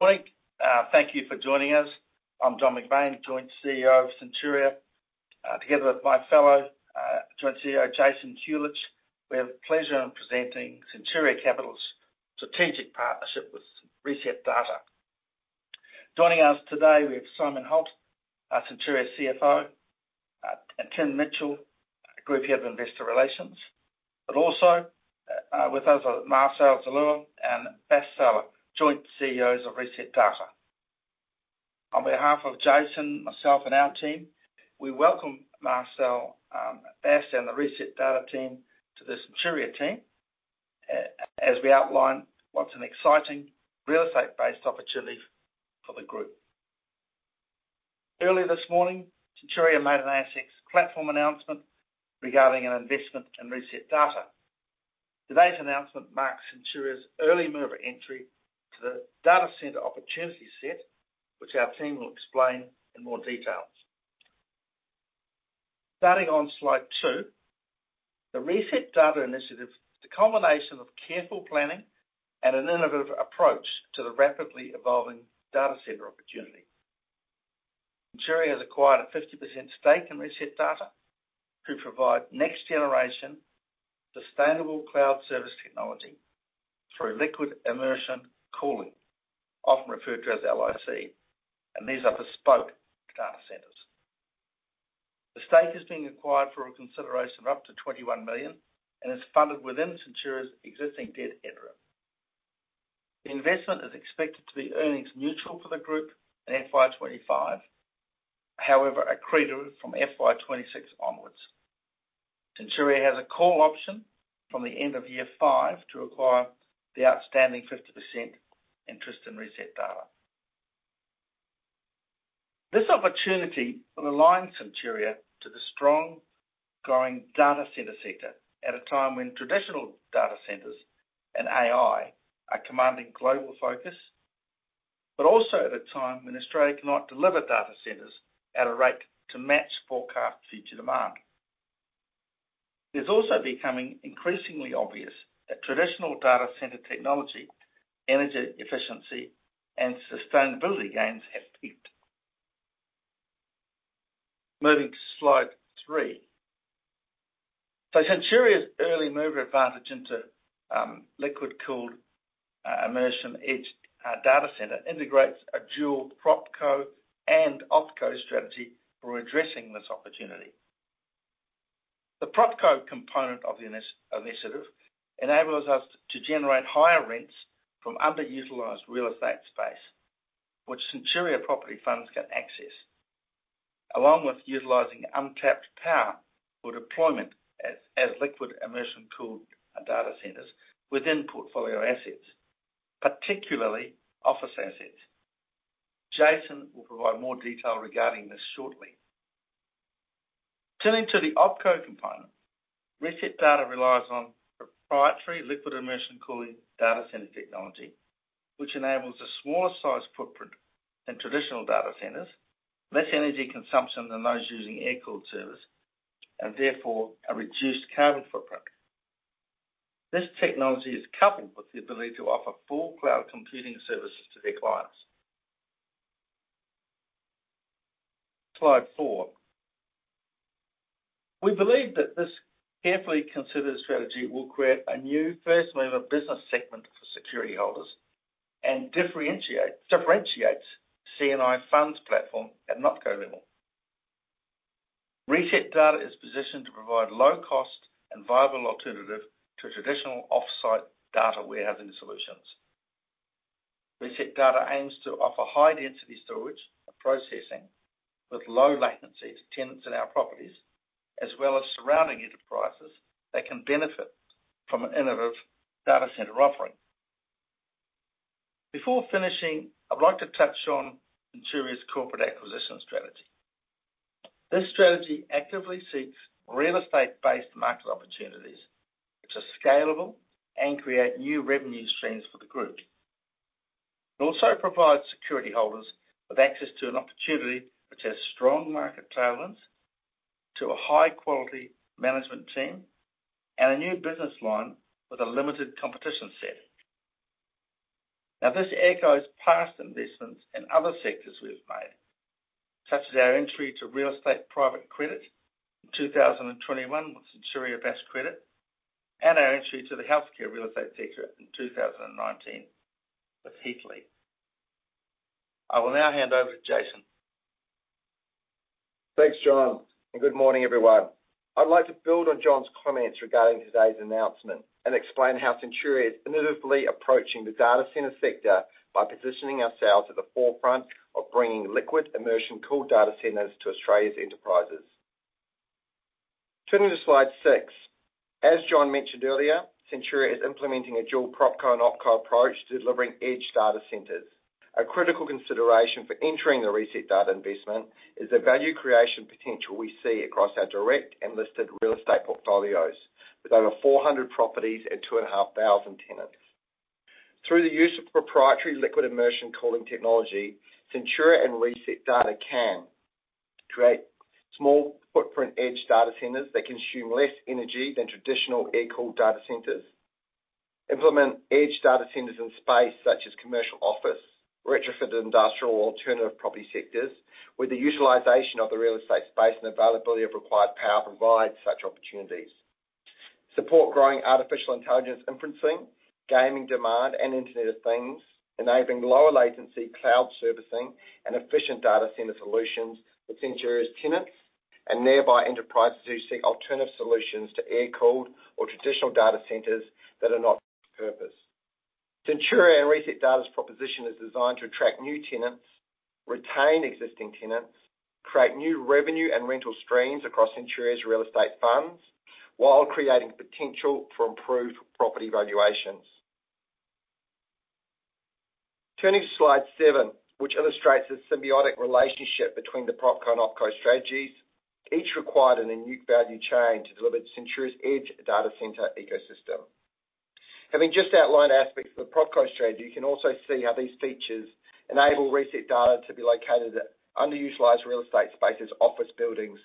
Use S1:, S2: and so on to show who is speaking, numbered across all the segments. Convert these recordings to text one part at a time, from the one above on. S1: Good morning, thank you for joining us. I'm John McBain, Joint CEO of Centuria. Together with my fellow Joint CEO, Jason Huljich, we have the pleasure in presenting Centuria Capital's strategic partnership with ResetData. Joining us today, we have Simon Holt, our Centuria CFO, and Tim Mitchell, Group Head of Investor Relations. But also, with us are Marcel Zalloua and Bass Salah, Joint CEOs of ResetData. On behalf of Jason, myself, and our team, we welcome Marcel, Bass, and the ResetData team to the Centuria team, as we outline what's an exciting real estate-based opportunity for the group. Earlier this morning, Centuria made an ASX platform announcement regarding an investment in ResetData. Today's announcement marks Centuria's early mover entry to the data center opportunity set, which our team will explain in more details. Starting on Slide 2, the ResetData initiative is the culmination of careful planning and an innovative approach to the rapidly evolving data center opportunity. Centuria has acquired a 50% stake in ResetData to provide next generation, sustainable cloud service technology through liquid immersion cooling, often referred to as LIC, and these are bespoke data centers. The stake is being acquired for a consideration of up to 21 million and is funded within Centuria's existing debt headroom. The investment is expected to be earnings neutral for the group in FY 2025, however, accretive from FY 2026 onwards. Centuria has a call option from the end of year 5 to acquire the outstanding 50% interest in ResetData. This opportunity will align Centuria to the strong, growing data center sector at a time when traditional data centers and AI are commanding global focus, but also at a time when Australia cannot deliver data centers at a rate to match forecast future demand. It's also becoming increasingly obvious that traditional data center technology, energy efficiency, and sustainability gains have peaked. Moving to Slide 3. Centuria's early mover advantage into liquid cooled immersion edge data center integrates a dual PropCo and OpCo strategy for addressing this opportunity. The PropCo component of the investment initiative enables us to generate higher rents from underutilized real estate space, which Centuria property funds can access, along with utilizing untapped power for deployment as, as liquid immersion cooled data centers within portfolio assets, particularly office assets. Jason will provide more detail regarding this shortly. Turning to the OpCo component, ResetData relies on proprietary liquid immersion cooling data center technology, which enables a smaller size footprint than traditional data centers, less energy consumption than those using air-cooled servers, and therefore, a reduced carbon footprint. This technology is coupled with the ability to offer full cloud computing services to their clients. Slide 4. We believe that this carefully considered strategy will create a new first-mover business segment for security holders and differentiates CNI funds platform at an OpCo level. ResetData is positioned to provide low-cost and viable alternative to traditional off-site data warehousing solutions. ResetData aims to offer high-density storage and processing with low latency to tenants in our properties, as well as surrounding enterprises that can benefit from an innovative data center offering. Before finishing, I'd like to touch on Centuria's corporate acquisition strategy. This strategy actively seeks real estate-based market opportunities which are scalable and create new revenue streams for the group. It also provides security holders with access to an opportunity which has strong market tailwinds to a high-quality management team and a new business line with a limited competition set. Now, this echoes past investments in other sectors we've made, such as our entry to real estate private credit in 2021 with Centuria Bass Credit, and our entry to the healthcare real estate sector in 2019 with Heathley. I will now hand over to Jason.
S2: Thanks, John, and good morning, everyone. I'd like to build on John's comments regarding today's announcement and explain how Centuria is innovatively approaching the data center sector by positioning ourselves at the forefront of bringing liquid immersion cooled data centers to Australia's enterprises. Turning to Slide 6. As John mentioned earlier, Centuria is implementing a dual PropCo and OpCo approach to delivering edge data centers. A critical consideration for entering the ResetData investment is the value creation potential we see across our direct and listed real estate portfolios, with over 400 properties and 2,500 tenants. Through the use of proprietary liquid immersion cooling technology, Centuria and ResetData can create small footprint edge data centers that consume less energy than traditional air-cooled data centers. Implement edge data centers in space, such as commercial office, retrofit industrial, or alternative property sectors, where the utilization of the real estate space and availability of required power provides such opportunities. Support growing artificial intelligence inferencing, gaming demand, and Internet of Things, enabling lower latency cloud servicing and efficient data center solutions with Centuria's tenants and nearby enterprises who seek alternative solutions to air-cooled or traditional data centers that are not purpose. Centuria and ResetData's proposition is designed to attract new tenants, retain existing tenants, create new revenue and rental streams across Centuria's real estate funds, while creating potential for improved property valuations. Turning to slide seven, which illustrates the symbiotic relationship between the PropCo and Opco strategies, each required a unique value chain to deliver Centuria's edge data center ecosystem. Having just outlined aspects of the PropCo strategy, you can also see how these features enable ResetData to be located at underutilized real estate spaces, office buildings,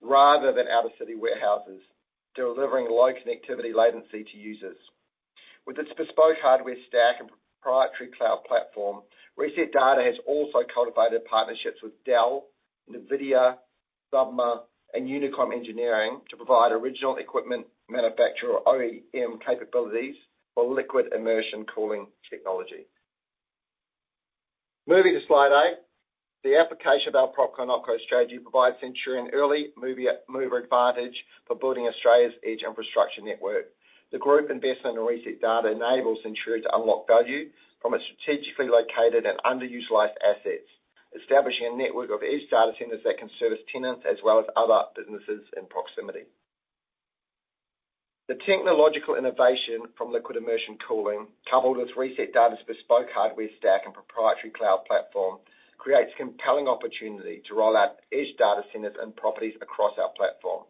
S2: rather than out-of-city warehouses, delivering low connectivity latency to users. With its bespoke hardware stack and proprietary cloud platform, ResetData has also cultivated partnerships with Dell, NVIDIA, Submer, and Unicom Engineering to provide original equipment manufacturer, OEM, capabilities for liquid immersion cooling technology. Moving to slide 8. The application of our PropCo and OpCo strategy provides Centuria an early mover advantage for building Australia's edge infrastructure network. The group investment in ResetData enables Centuria to unlock value from its strategically located and underutilized assets, establishing a network of edge data centers that can service tenants as well as other businesses in proximity. The technological innovation from liquid immersion cooling, coupled with ResetData's bespoke hardware stack and proprietary cloud platform, creates a compelling opportunity to roll out edge data centers and properties across our platform.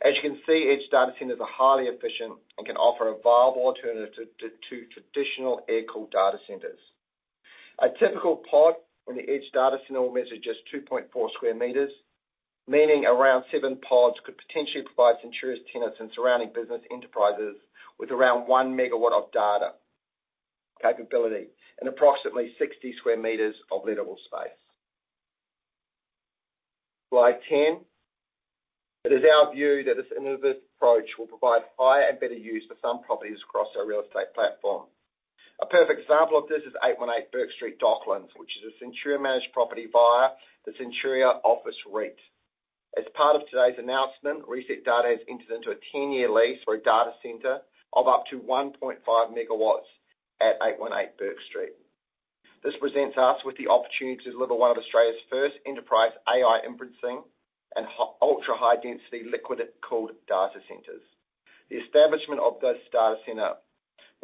S2: As you can see, edge data centers are highly efficient and can offer a viable alternative to traditional air-cooled data centers. A typical pod in the edge data center will measure just 2.4 sq m, meaning around 7 pods could potentially provide Centuria's tenants and surrounding business enterprises with around 1 MW of data capability and approximately 60 sq m of lettable space. Slide 10. It is our view that this innovative approach will provide higher and better use for some properties across our real estate platform. A perfect example of this is 818 Bourke Street, Docklands, which is a Centuria-managed property via the Centuria Office REIT. As part of today's announcement, ResetData has entered into a 10-year lease for a data center of up to 1.5 MW at 818 Bourke Street. This presents us with the opportunity to deliver one of Australia's first enterprise AI inferencing and ultra-high-density liquid-cooled data centers. The establishment of this data center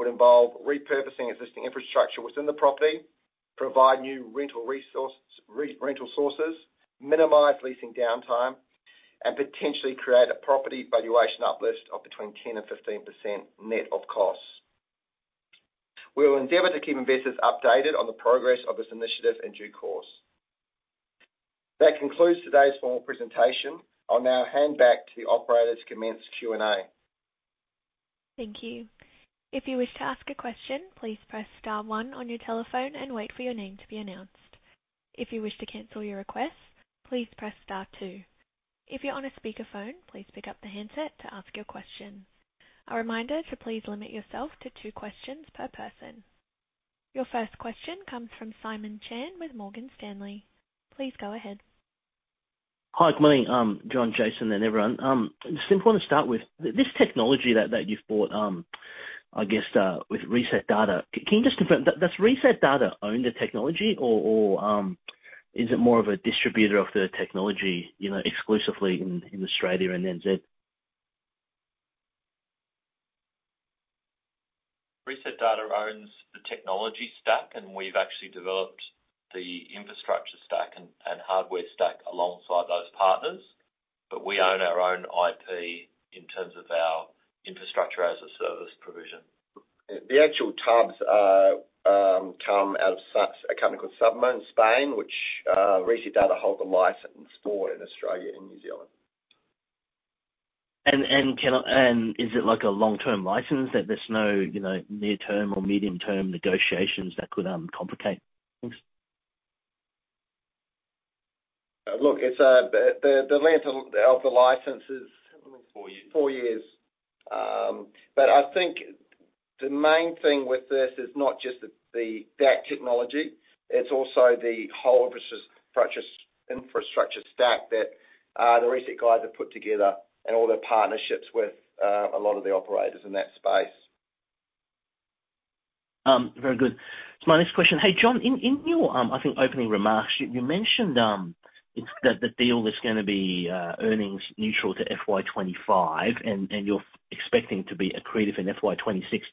S2: would involve repurposing existing infrastructure within the property, provide new rental sources, minimize leasing downtime, and potentially create a property valuation uplift of between 10%-15% net of costs. We will endeavor to keep investors updated on the progress of this initiative in due course. That concludes today's formal presentation. I'll now hand back to the operator to commence Q&A.
S3: Thank you. If you wish to ask a question, please press star one on your telephone and wait for your name to be announced. If you wish to cancel your request, please press star two. If you're on a speakerphone, please pick up the handset to ask your question. A reminder to please limit yourself to two questions per person. Your first question comes from Simon Chan with Morgan Stanley. Please go ahead.
S4: Hi, good morning, John, Jason, and everyone. Just important to start with, this technology that you've bought, I guess, with ResetData, can you just confirm, does ResetData own the technology or is it more of a distributor of the technology, you know, exclusively in Australia and NZ?
S2: ResetData owns the technology stack, and we've actually developed the infrastructure stack and hardware stack alongside those partners, but we own our own IP in terms of our infrastructure as a service provision. The actual tubs come out of a company called Submer in Spain, which ResetData hold the license for in Australia and New Zealand.
S4: Is it like a long-term license, that there's no, you know, near-term or medium-term negotiations that could complicate things?
S2: Look, it's the length of the license is-
S5: Four years.
S2: - four years. But I think the main thing with this is not just that technology, it's also the whole infrastructure stack that the Reset guys have put together and all their partnerships with a lot of the operators in that space.
S4: Very good. So my next question: hey, John, in your, I think, opening remarks, you mentioned that the deal is gonna be earnings neutral to FY 2025, and you're expecting to be accretive in FY 2026.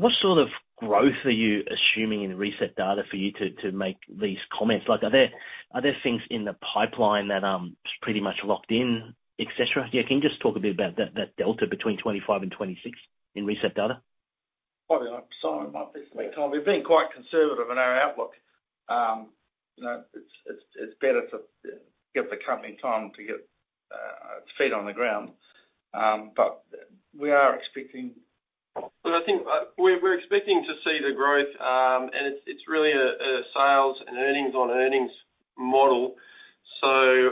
S4: What sort of growth are you assuming in ResetData for you to make these comments? Like, are there things in the pipeline that are pretty much locked in, et cetera? Yeah, can you just talk a bit about that delta between 2025 and 2026 in ResetData?...
S1: Probably like Simon might be the best to make time. We're being quite conservative in our outlook. You know, it's better to give the company time to get its feet on the ground. But we are expecting-
S6: Well, I think, we're expecting to see the growth, and it's really a sales and earnings on earnings model. So,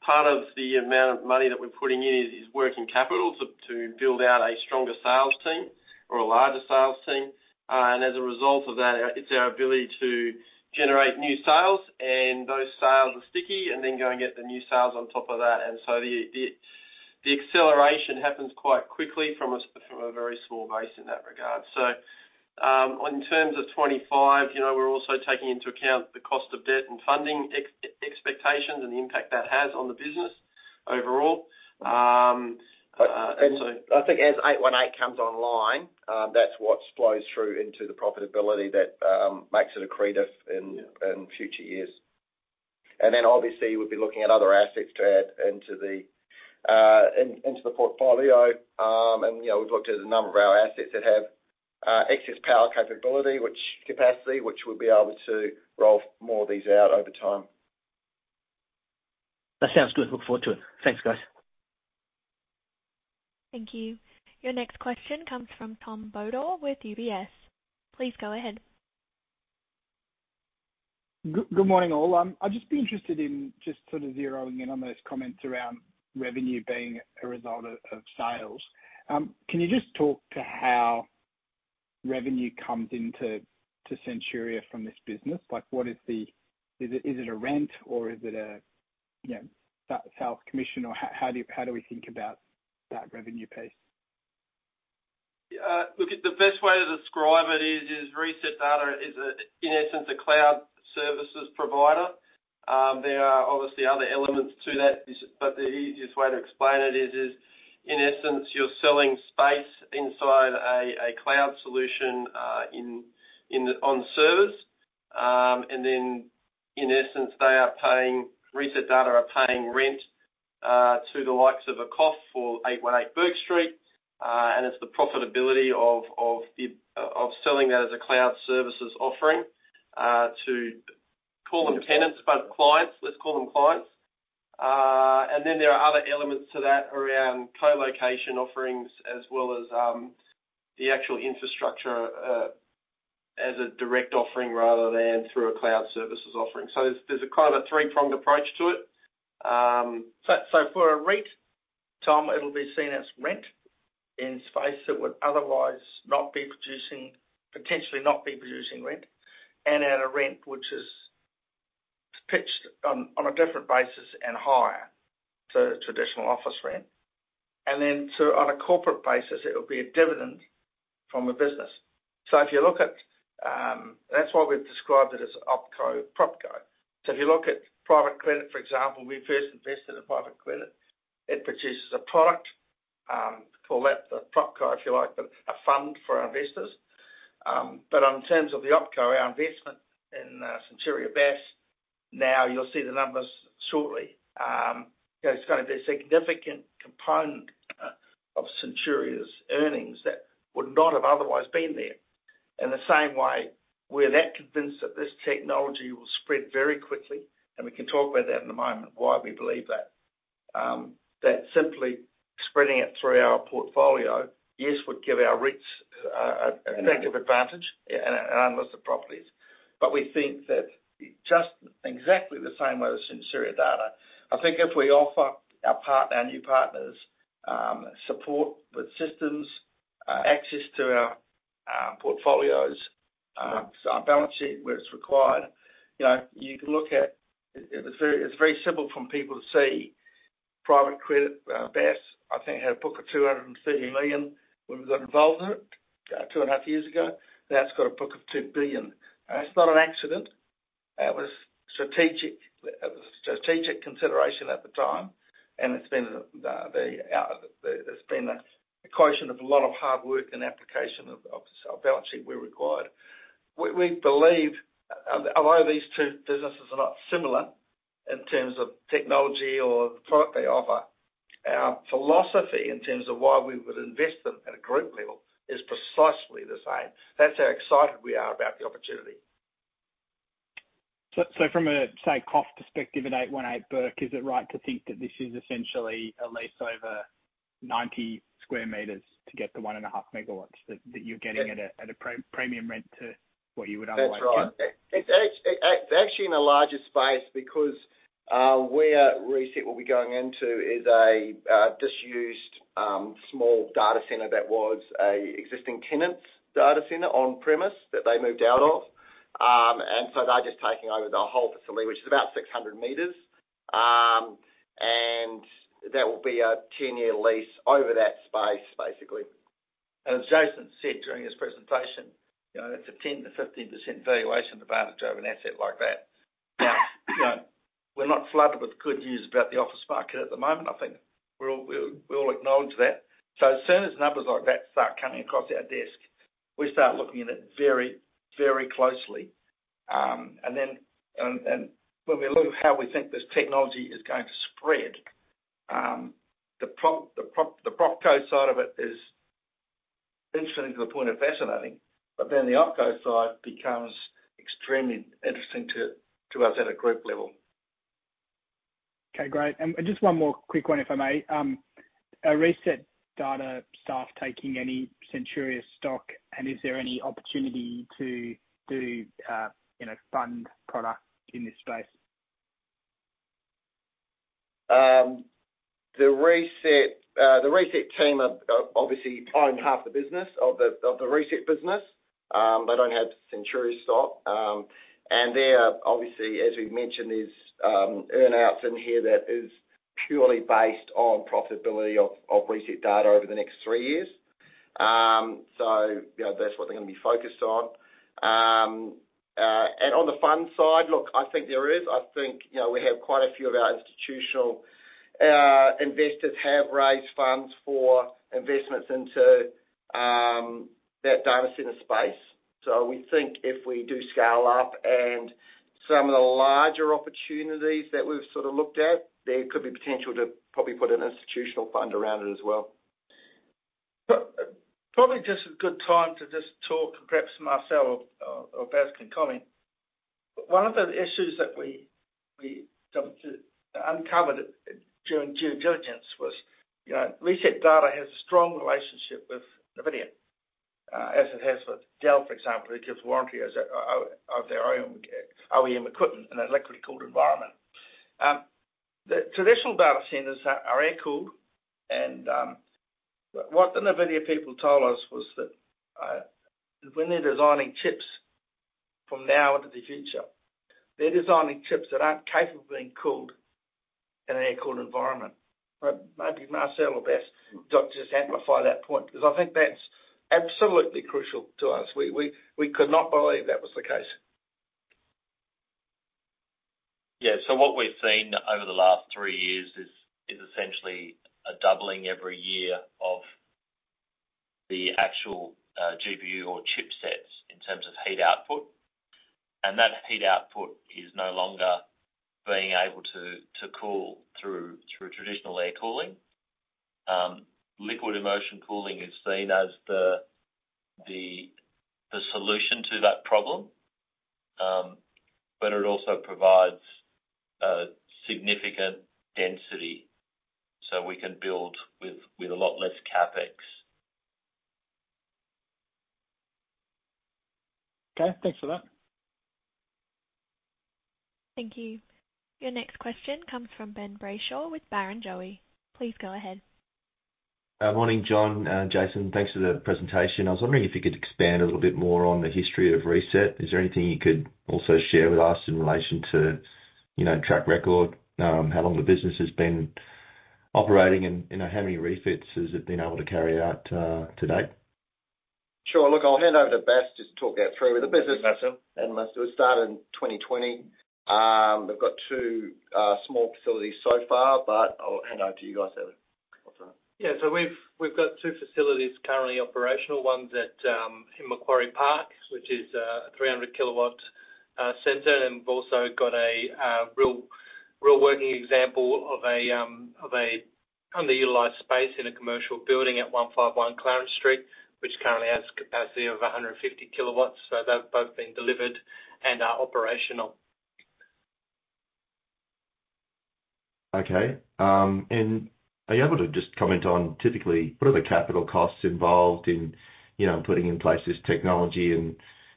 S6: part of the amount of money that we're putting in is working capital to build out a stronger sales team or a larger sales team. And as a result of that, it's our ability to generate new sales, and those sales are sticky and then go and get the new sales on top of that. And so the acceleration happens quite quickly from a very small base in that regard. So, in terms of 2025, you know, we're also taking into account the cost of debt and funding expectations and the impact that has on the business overall. And so-
S2: I think as 818 comes online, that's what flows through into the profitability that makes it accretive in future years. And then obviously, we'd be looking at other assets to add into the portfolio. And, you know, we've looked at a number of our assets that have excess power capability, which capacity, which we'll be able to roll more of these out over time.
S4: That sounds good. Look forward to it. Thanks, guys.
S3: Thank you. Your next question comes from Tom Bodor with UBS. Please go ahead.
S7: Good morning, all. I'd just be interested in just sort of zeroing in on those comments around revenue being a result of sales. Can you just talk to how revenue comes into Centuria from this business? Like, what is the—is it a rent or is it a, you know, sales commission, or how do we think about that revenue piece?
S6: Look, the best way to describe it is ResetData is, in essence, a cloud services provider. There are obviously other elements to that, but the easiest way to explain it is, in essence, you're selling space inside a cloud solution in on servers. And then in essence, they are paying- ResetData are paying rent to the likes of a COF or 818 Bourke Street. And it's the profitability of selling that as a cloud services offering to call them tenants, but clients, let's call them clients. And then there are other elements to that around colocation offerings, as well as the actual infrastructure as a direct offering rather than through a cloud services offering. So there's a kind of a three-pronged approach to it.
S1: So, for a REIT, Tom, it'll be seen as rent in space that would otherwise not be producing, potentially not be producing rent, and at a rent which is pitched on a different basis and higher to traditional office rent. And then, on a corporate basis, it'll be a dividend from a business. So if you look at... That's why we've described it as OpCo, PropCo. So if you look at private credit, for example, we first invested in private credit. It produces a product, call that the PropCo, if you like, but a fund for our investors. But in terms of the OpCo, our investment in Centuria Bass Credit, now you'll see the numbers shortly. You know, it's going to be a significant component of Centuria's earnings that would not have otherwise been there. In the same way, we're that convinced that this technology will spread very quickly, and we can talk about that in a moment, why we believe that. That simply spreading it through our portfolio, yes, would give our REITs an effective advantage- Mm-hmm. in our unlisted properties. But we think that just exactly the same way as Centuria Data, I think if we offer our our new partners, support with systems, access to our, portfolios, our balance sheet, where it's required, you know, you can look at it, it's very, it's very simple from people to see private credit, Bass, I think, had a book of 230 million when we got involved in it, 2.5 years ago. Now, it's got a book of 2 billion. It's not an accident. It was strategic, it was strategic consideration at the time, and it's been the, the, there's been a quotient of a lot of hard work and application of, of our balance sheet where required. We believe, although these two businesses are not similar in terms of technology or the product they offer, our philosophy in terms of why we would invest them at a group level is precisely the same. That's how excited we are about the opportunity.
S7: From a, say, COF perspective, at 818 Bourke Street, is it right to think that this is essentially a lease over 90 sq m to get the 1.5 MW that you're getting at a premium rent to what you would otherwise get?
S6: That's right. It's actually in a larger space because where Reset will be going into is a disused small data center that was an existing tenant's data center on premise that they moved out of. So they're just taking over the whole facility, which is about 600 m. And that will be a 10-year lease over that space, basically.
S1: As Jason said during his presentation, you know, that's a 10%-15% valuation advantage over an asset like that. Now, you know, we're not flooded with good news about the office market at the moment. I think we all acknowledge that. So as soon as numbers like that start coming across our desk, we start looking at it very, very closely. And then when we look at how we think this technology is going to spread-...
S2: The PropCo side of it is interesting to the point of fascinating, but then the OpCo side becomes extremely interesting to us at a group level.
S7: Okay, great. And just one more quick one, if I may. Are ResetData staff taking any Centuria stock, and is there any opportunity to, you know, fund product in this space?
S2: The ResetData team obviously own half the business of the ResetData business. They don't have Centuria stock. And there, obviously, as we've mentioned, is earn-outs in here that is purely based on profitability of ResetData over the next three years. So, you know, that's what they're gonna be focused on. And on the fund side, look, I think there is. I think, you know, we have quite a few of our institutional investors have raised funds for investments into that data center space. So we think if we do scale up and some of the larger opportunities that we've sort of looked at, there could be potential to probably put an institutional fund around it as well.
S1: Probably just a good time to just talk, perhaps Marcel or Bass can comment. One of the issues that we uncovered during due diligence was, you know, ResetData has a strong relationship with NVIDIA, as it has with Dell, for example, it gives warranty out of their own OEM equipment in a liquid-cooled environment. The traditional data centers are air-cooled, and what the NVIDIA people told us was that when they're designing chips from now into the future, they're designing chips that aren't capable of being cooled in an air-cooled environment. But maybe Marcel or Bass, just amplify that point, 'cause I think that's absolutely crucial to us. We could not believe that was the case.
S8: Yeah. So what we've seen over the last three years is essentially a doubling every year of the actual GPU or chipsets in terms of heat output. And that heat output is no longer being able to cool through traditional air cooling. Liquid immersion cooling is seen as the solution to that problem, but it also provides significant density, so we can build with a lot less CapEx.
S7: Okay, thanks for that.
S3: Thank you. Your next question comes from Ben Brayshaw with Barrenjoey. Please go ahead.
S9: Morning, John, Jason. Thanks for the presentation. I was wondering if you could expand a little bit more on the history of Reset. Is there anything you could also share with us in relation to, you know, track record, how long the business has been operating and, you know, how many refits has it been able to carry out, to date?
S2: Sure. Look, I'll hand over to Bass just to talk that through the business.
S8: Thanks, Marcel.
S2: We started in 2020. They've got two small facilities so far, but I'll hand over to you guys for the details on that.
S8: Yeah. So we've got two facilities currently operational. One's at in Macquarie Park, which is a 300 kW center, and we've also got a real working example of a underutilized space in a commercial building at 151 Clarence Street, which currently has capacity of 150 kW. So they've both been delivered and are operational.
S9: Okay. And are you able to just comment on typically, what are the capital costs involved in, you know, putting in place this technology?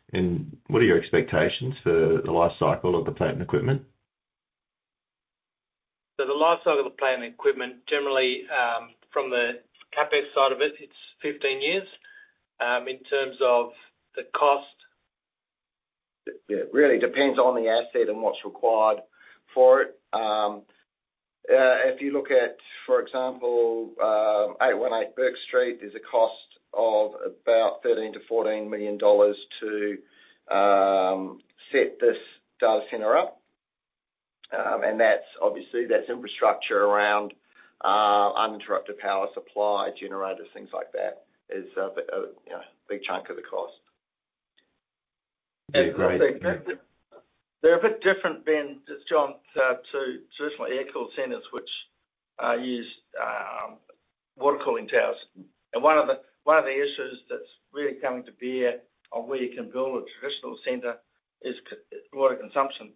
S9: And what are your expectations for the life cycle of the plant and equipment?
S8: So the life cycle of the plant and equipment, generally, from the CapEx side of it, it's 15 years. In terms of the cost-
S2: It, it really depends on the asset and what's required for it. If you look at, for example, 818 Bourke Street, there's a cost of about 13 million-14 million dollars to set this data center up. And that's obviously, that's infrastructure around uninterrupted power supply, generators, things like that, is a, you know, big chunk of the cost.
S9: Great.
S1: They're a bit different, Ben, just John, to traditional air-cooled centers which use water cooling towers. One of the issues that's really coming to bear on where you can build a traditional center is water consumption.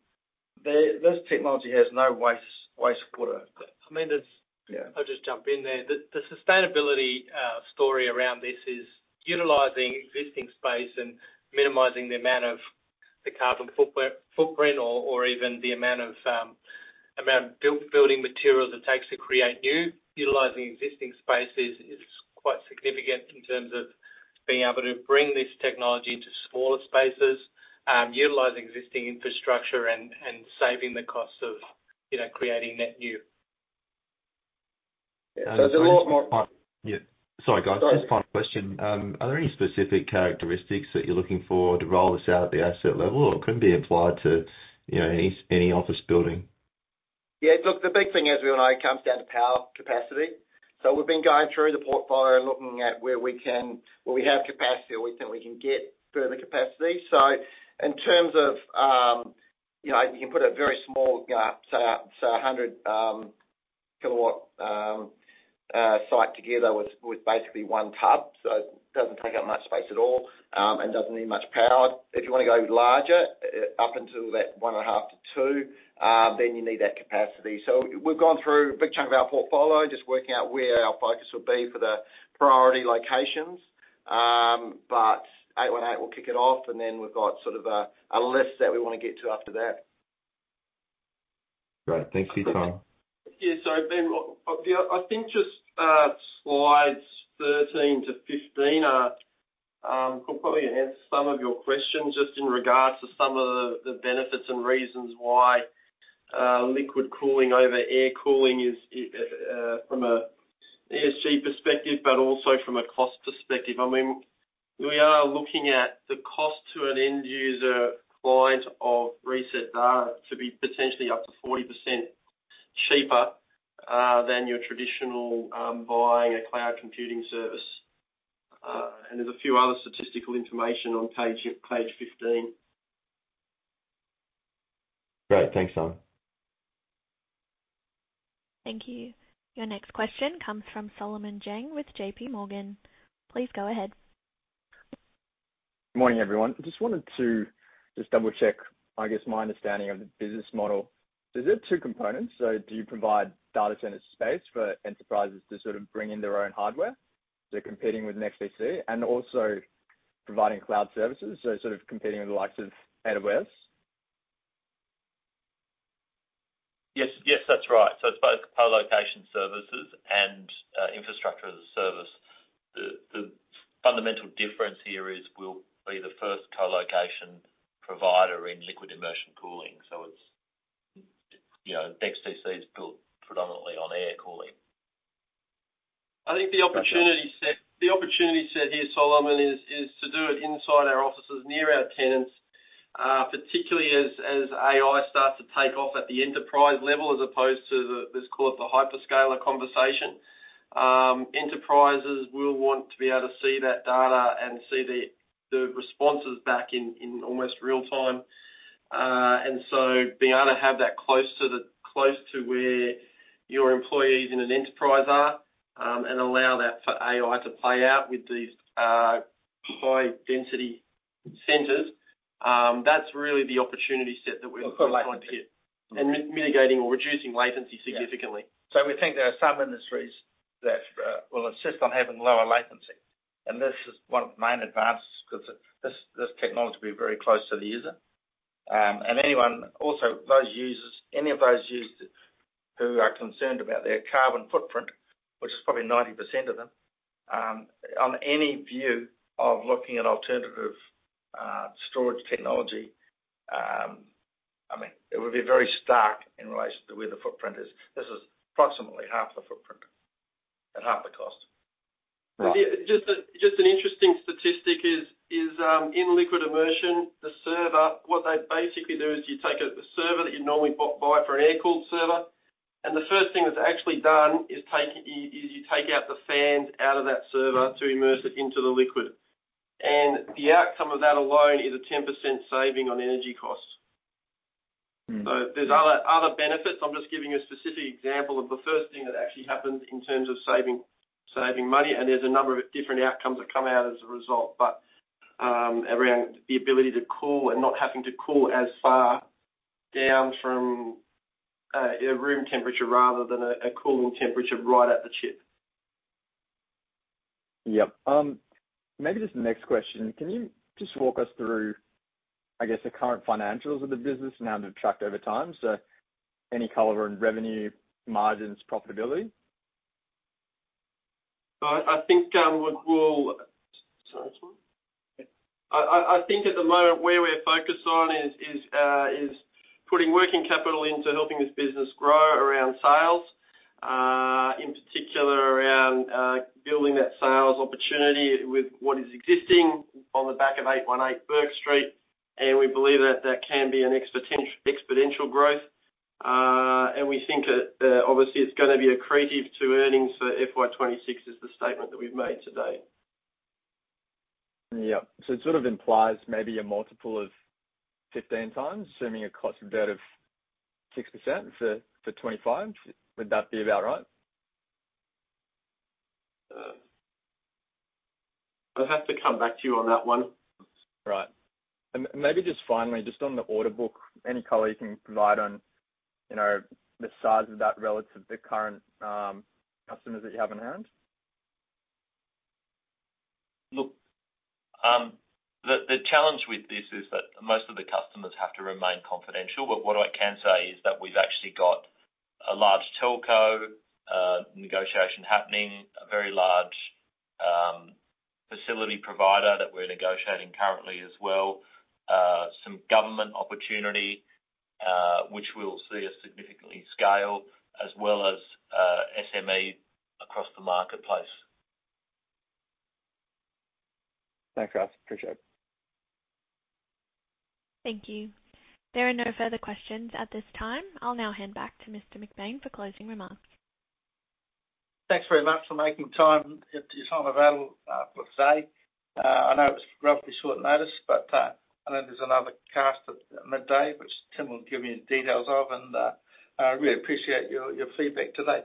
S1: This technology has no waste water.
S8: I mean, it's-
S1: Yeah.
S8: I'll just jump in there. The sustainability story around this is utilizing existing space and minimizing the amount of the carbon footprint or even the amount of building materials it takes to create new. Utilizing existing spaces is quite significant in terms of being able to bring this technology to smaller spaces, utilize existing infrastructure and saving the costs of, you know, creating net new.
S2: There's a lot more-
S9: Yeah. Sorry, guys.
S2: Sorry.
S9: Just final question. Are there any specific characteristics that you're looking for to roll this out at the asset level, or it could be applied to, you know, any office building?
S10: Yeah, look, the big thing, as we all know, it comes down to power capacity.... So we've been going through the portfolio and looking at where we have capacity, or we think we can get further capacity. So in terms of, you know, you can put a very small, say, a 100 kW site together with basically one tub, so it doesn't take up much space at all, and doesn't need much power. If you want to go larger, up until that 1.5-2, then you need that capacity. So we've gone through a big chunk of our portfolio, just working out where our focus will be for the priority locations. But 818 will kick it off, and then we've got sort of a list that we want to get to after that.
S9: Great. Thanks, Tim. Bye.
S6: Yeah. So, Ben, I think just, slides 13 to 15 are could probably answer some of your questions just in regards to some of the, the benefits and reasons why, liquid cooling over air cooling is, from a ESG perspective, but also from a cost perspective. I mean, we are looking at the cost to an end user client of ResetData to be potentially up to 40% cheaper, than your traditional, buying a cloud computing service. And there's a few other statistical information on page 15.
S9: Great. Thanks, Simon.
S3: Thank you. Your next question comes from Solomon Zhang with J.P. Morgan. Please go ahead.
S11: Good morning, everyone. Just wanted to double check, I guess, my understanding of the business model. So there are two components. So do you provide data center space for enterprises to sort of bring in their own hardware, so competing with an NextDC? And also providing cloud services, so sort of competing with the likes of AWS?
S10: Yes, yes, that's right. So it's both co-location services and infrastructure as a service. The fundamental difference here is we'll be the first co-location provider in liquid immersion cooling. So it's, you know, NextDC is built predominantly on air cooling.
S6: I think the opportunity set, the opportunity set here, Solomon, is to do it inside our offices, near our tenants, particularly as AI starts to take off at the enterprise level, as opposed to the... Let's call it the hyperscaler conversation. Enterprises will want to be able to see that data and see the responses back in almost real time. And so being able to have that close to where your employees in an enterprise are, and allow that for AI to play out with these high density centers, that's really the opportunity set that we're looking at, and mitigating or reducing latency significantly.
S10: So we think there are some industries that will insist on having lower latency, and this is one of the main advances, because this, this technology will be very close to the user. And anyone, also, those users, any of those users who are concerned about their carbon footprint, which is probably 90% of them, on any view of looking at alternative storage technology, I mean, it would be very stark in relation to where the footprint is. This is approximately half the footprint, at half the cost.
S11: Right.
S6: Just an interesting statistic is, in liquid immersion, the server, what they basically do is you take a server that you'd normally buy for an air-cooled server, and the first thing that's actually done is you take out the fans out of that server to immerse it into the liquid. And the outcome of that alone is a 10% saving on energy costs.
S11: Mm.
S6: So there's other benefits. I'm just giving you a specific example of the first thing that actually happens in terms of saving money, and there's a number of different outcomes that come out as a result. But around the ability to cool and not having to cool as far down from a room temperature rather than a cooling temperature right at the chip.
S11: Yep. Maybe just the next question. Can you just walk us through, I guess, the current financials of the business and how they've tracked over time? So any color on revenue, margins, profitability?
S6: Sorry, Simon. I think at the moment where we're focused on is putting working capital into helping this business grow around sales, in particular around building that sales opportunity with what is existing on the back of 818 Bourke Street. And we believe that that can be an exponential growth. And we think that, obviously, it's going to be accretive to earnings for FY 26, is the statement that we've made today.
S11: Yep. So it sort of implies maybe a multiple of 15x, assuming a cost of debt of 6% for 2025. Would that be about right?
S10: I'd have to come back to you on that one.
S11: Right. And maybe just finally, just on the order book, any color you can provide on, you know, the size of that relative to current customers that you have in hand?
S10: Look, the challenge with this is that most of the customers have to remain confidential, but what I can say is that we've actually got a large telco negotiation happening, a very large facility provider that we're negotiating currently as well, some government opportunity, which we'll see a significantly scale, as well as SME across the marketplace.
S11: Thanks, guys. Appreciate it.
S3: Thank you. There are no further questions at this time. I'll now hand back to Mr. McBain for closing remarks.
S1: Thanks very much for making time to join available for today. I know it was relatively short notice, but I know there's another cast at midday, which Tim will give you details of, and I really appreciate your feedback today.